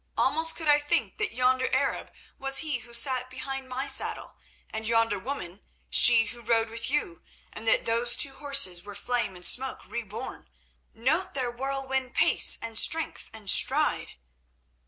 Almost could I think that yonder Arab was he who sat behind my saddle, and yonder woman she who rode with you, and that those two horses were Flame and Smoke reborn. Note their whirlwind pace, and strength, and stride."